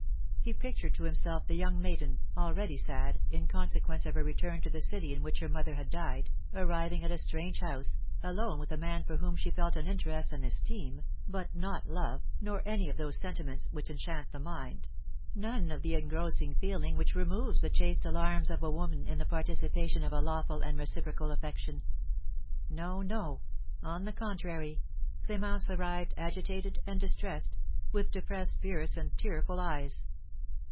He pictured to himself the young maiden, already sad, in consequence of her return to the city in which her mother had died, arriving at a strange house, alone with a man for whom she felt an interest and esteem, but not love, nor any of those sentiments which enchant the mind, none of the engrossing feeling which removes the chaste alarms of a woman in the participation of a lawful and reciprocal affection. No, no; on the contrary, Clémence arrived agitated and distressed, with depressed spirits and tearful eyes.